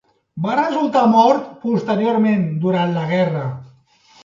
Va resultar mort posteriorment durant la guerra.